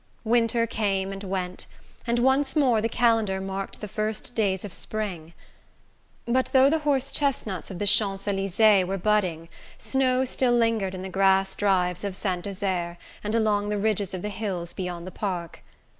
Winter came and went, and once more the calendar marked the first days of spring; but though the horse chestnuts of the Champs Elysees were budding snow still lingered in the grass drives of Saint Desert and along the ridges of the hills beyond the park.